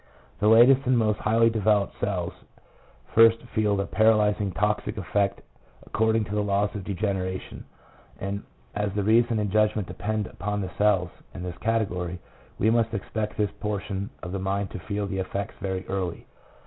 The latest and most highly developed cells first feel the paralyzing toxic effect according to the laws of degeneration, and as the reason and judgment depend upon the cells in this category, we must expect this portion of the mind to feel the effects very early.